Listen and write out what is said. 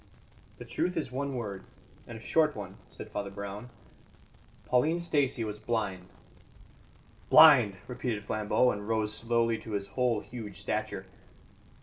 "The truth is one word, and a short one," said Father Brown. "Pauline Stacey was blind." "Blind!" repeated Flambeau, and rose slowly to his whole huge stature.